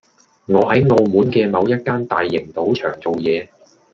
我喺澳門嘅某一間大型賭場做嘢